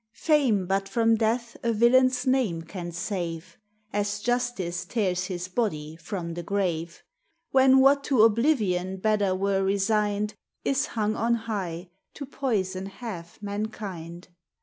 Fame but from death a villain's name can save, As justice tears his body from the grave ; When what to oblivion better were resigned Is hung on high, to poison half mankind.